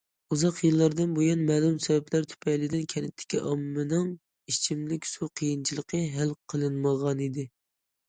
ئۇزاق يىللاردىن بۇيان، مەلۇم سەۋەبلەر تۈپەيلىدىن كەنتتىكى ئاممىنىڭ ئىچىملىك سۇ قىيىنچىلىقى ھەل قىلىنمىغانىدى.